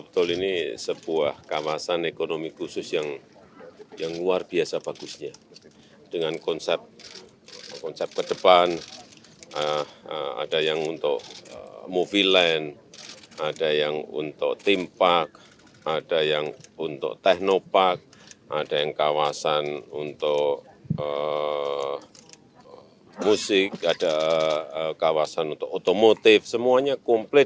ada yang untuk ekonomi khusus yang luar biasa bagusnya dengan konsep ke depan ada yang untuk movie land ada yang untuk theme park ada yang untuk techno park ada yang kawasan untuk musik ada kawasan untuk otomotif semuanya komplit